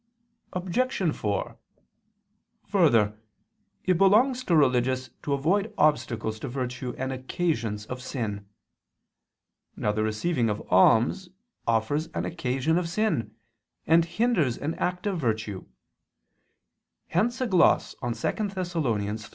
Obj. 4: Further, it belongs to religious to avoid obstacles to virtue and occasions of sin. Now the receiving of alms offers an occasion of sin, and hinders an act of virtue; hence a gloss on 2 Thess.